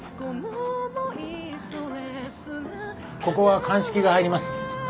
ここは鑑識が入ります。